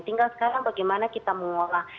tinggal sekarang bagaimana kita mengolah